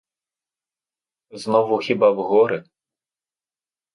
Знову хіба в гори?